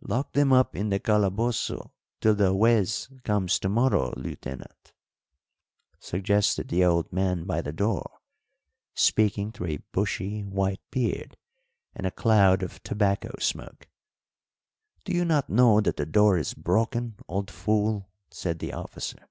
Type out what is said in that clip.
"Lock them up in the calaboso till the Juez comes to morrow, Lieutenant," suggested the old man by the door, speaking through a bushy white beard and a cloud of tobacco smoke. "Do you not know that the door is broken, old fool?" said the officer.